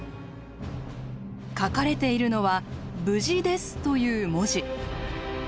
書かれているのは「無事です」という文字。